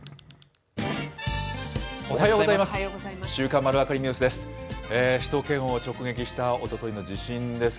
おはようございます。